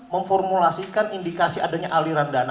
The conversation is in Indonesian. memformulasikan indikasi adanya aliran dana